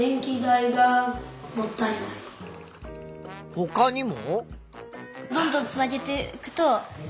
ほかにも？